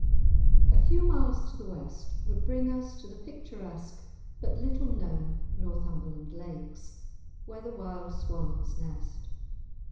A few miles to the west would bring us to the picturesque but little known Northumberland Lakes, where the wild swans nest.